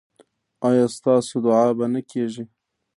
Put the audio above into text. ایا ستاسو دعا به نه کیږي؟